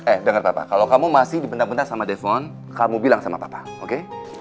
eh denger papa kalau kamu masih dipenang penang sama devon kamu bilang sama papa oke